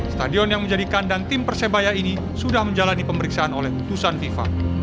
stadion yang menjadikan dan tim persebaya ini sudah menjalani pemeriksaan oleh putusan fifa